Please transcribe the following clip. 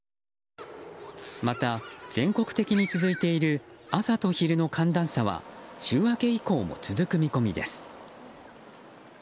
また、全国的に続いている朝と昼の寒暖差は週明け以降も続く見込みです。